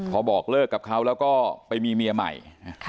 พอบอกเลิกกับเขาแล้วก็ไปมีเมียใหม่